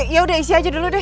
yaudah isi aja dulu deh